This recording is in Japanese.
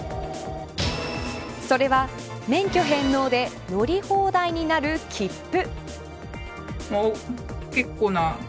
それは免許返納で乗り放題になる切符。